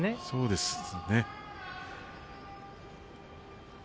そうですね。